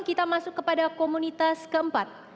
kita masuk kepada komunitas keempat